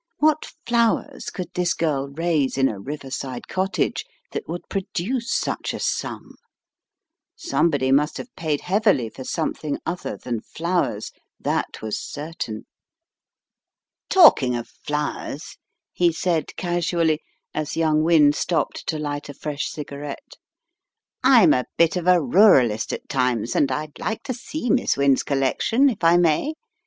What flowers could this girl raise in a riverside cottage that would produce such a sum? Somebody must have paid heavily for something other than flowers; that was certain. "Talking of flowers," he said, casually, as young Wynne stopped to light a fresh cigarette. "I'm a bit of a ruralist at times, and I'd like to see Miss Wynne's collection if I may.